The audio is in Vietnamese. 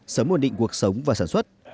sớm ổn định cuộc sống và sản xuất